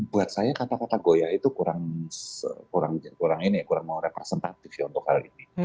buat saya kata kata goya itu kurang representatif ya untuk hal ini